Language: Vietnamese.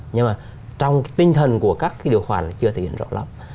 nhưng mà trong tinh thần của các điều khoản là chưa thể hiện rõ lắm